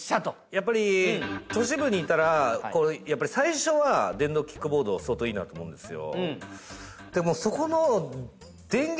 やっぱり都市部にいたらこれやっぱり最初は電動キックボード相当いいなと思うんですよ。